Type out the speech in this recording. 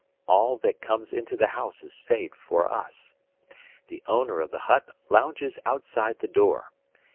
All that comes into the house is saved for us. The owner of the hut lounges outside the door.